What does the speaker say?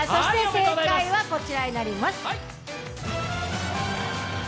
正解はこちらになります。